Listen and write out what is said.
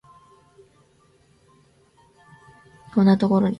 こんなところにガムが落ちてる